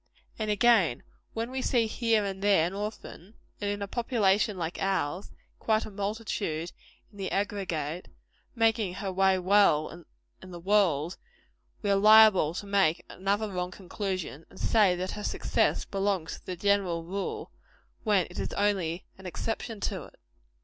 And again, when we see here and there an orphan and in a population like ours, quite a multitude in the aggregate making her way well in the world, we are liable to make another wrong conclusion, and to say that her success belongs to the general rule, when it is only an exception to it.